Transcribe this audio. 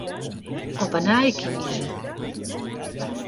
Op 'e nij kieze.